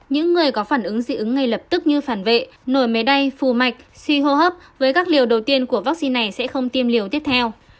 những người có phản ứng dị ứng ngay lập tức như phản vệ nổi máy đay phù mạch suy hô hấp với các liều đầu tiên của vaccine này sẽ không tiêm liều tiếp theo